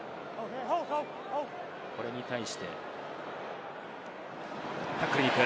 これに対して、タックルに行く。